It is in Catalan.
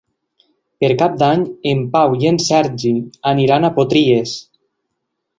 Per Cap d'Any en Pau i en Sergi aniran a Potries.